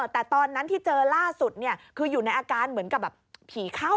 แต่ตอนนั้นที่เจอล่าสุดคืออยู่ในอาการเหมือนกับแบบผีเข้า